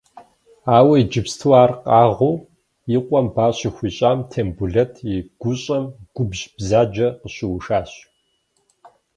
Ауэ иджыпсту ар къэгъыу и къуэм ба щыхуищӏам, Тембулэт и гущӏэм губжь бзаджэ къыщыушащ.